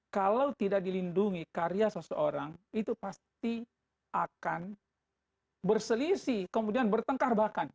kalau tidak dilindungi karya seseorang itu pasti akan berselisih kemudian bertengkar bahkan